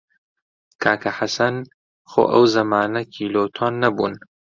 کاکە حەسەن خۆ ئەو زەمانە کیلۆ و تۆن نەبوون!